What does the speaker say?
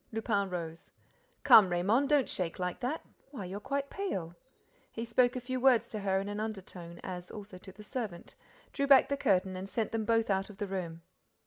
Lupin rose: "Come, Raymonde, don't shake like that. Why, you're quite pale!" He spoke a few words to her in an undertone, as also to the servant, drew back the curtain and sent them both out of the room.